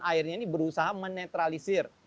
airnya ini berusaha menetralisir